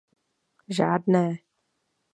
Žádné.